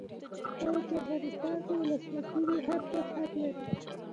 کله چې افغانستان کې ولسواکي وي هر څوک حق لري.